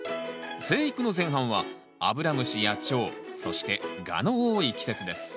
生育の前半はアブラムシやチョウそしてガの多い季節です。